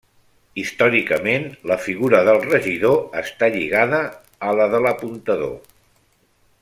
Històricament la figura del regidor està lligada a la de l'apuntador.